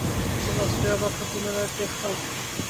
তিনি অস্ট্রেলিয়ার পক্ষে পুনরায় টেস্টে অংশ নেন।